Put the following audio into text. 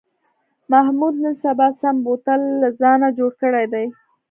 محمود نن سبا سم بوتل له ځانه جوړ کړی دی.